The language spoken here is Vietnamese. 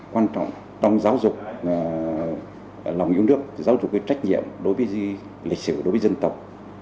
quan trọng trong giáo dục lòng yêu nước giáo dục trách nhiệm đối với di lịch sử đối với dân tộc